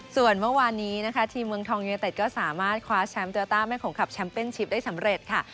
ส่วนเมื่อวานนี้นะคะทีมเมืองทองยูเนเต็ดก็สามารถคว้าแชมป์โยต้าแม่ขงขับแชมเป็นชิปได้สำเร็จค่ะ